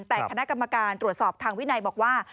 แต่คณะกรรมการตรวจสอบทางวินัยบอกว่า